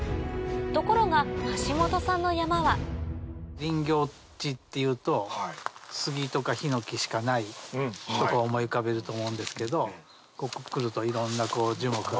ところが橋本さんの山は林業地っていうとスギとかヒノキしかないとこを思い浮かべると思うんですけどここ来るといろんな樹木があって。